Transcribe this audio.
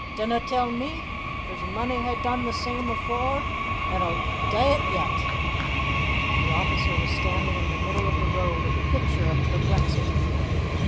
dinna tell me! There's mony hae done the same afore an' 'll dae it yet!" The officer was standing in the middle of the road, a picture of perplexity.